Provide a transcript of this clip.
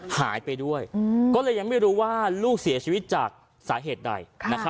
หายไปด้วยก็เลยยังไม่รู้ว่าลูกเสียชีวิตจากสาเหตุใด